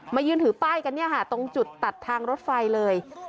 มายืนถือป้ายกันตรงจุดตัดทางรถไฟเลย